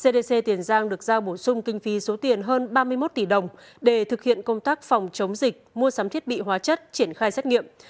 cdc tiền giang được giao bổ sung kinh phí số tiền hơn ba mươi một tỷ đồng để thực hiện công tác phòng chống dịch mua sắm thiết bị hóa chất triển khai xét nghiệm